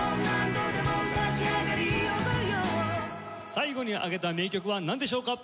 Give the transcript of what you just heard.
最後に挙げた名曲はなんでしょうか？